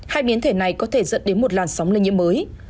hai biến thể này có thể dẫn đến một làn sóng lây nhiễm mới